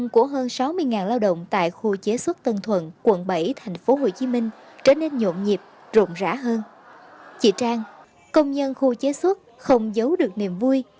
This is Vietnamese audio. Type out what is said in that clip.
cảm ơn các bạn đã theo dõi